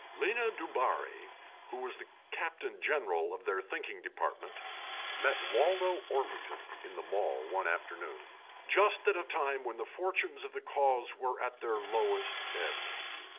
Lena Dubarri, who was the captain general of their thinking department, met Waldo Orpington in the Mall one afternoon, just at a time when the fortunes of the Cause were at their lowest ebb.